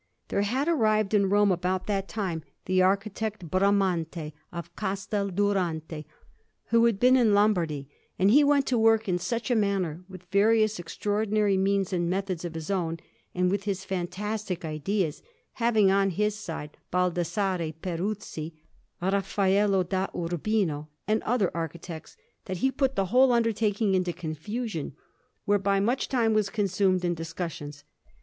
There had arrived in Rome, about that time, the architect Bramante of Castel Durante, who had been in Lombardy; and he went to work in such a manner, with various extraordinary means and methods of his own, and with his fantastic ideas, having on his side Baldassarre Peruzzi, Raffaello da Urbino, and other architects, that he put the whole undertaking into confusion; whereby much time was consumed in discussions.